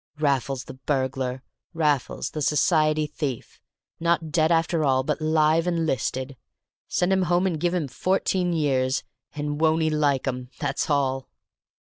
Raffles the burglar! Raffles the society thief! Not dead after all, but 'live and 'listed. Send him home and give him fourteen years, and won't he like 'em, that's all!"